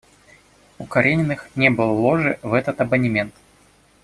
У Карениных не было ложи в этот абонемент.